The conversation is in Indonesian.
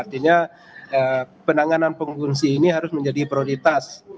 artinya penanganan pengungsi ini harus menjadi prioritas